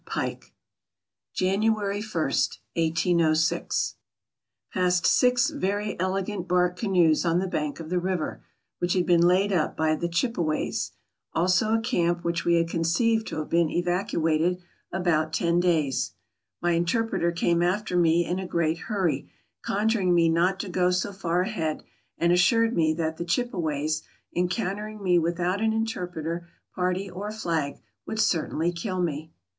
PIKE CYANUARYi, 1806. — Passed six very elegant bark canoes J on the bank of the river, which had been laid up by the Chipeways; also a camp which we had conceived to have been evacuated about ten days. My interpreter came after me in a great hurry, conjuring me not to go so far ahead, and assured me that the Chipeways, encountering me without an interpreter, party, or flag, would certainly kill me.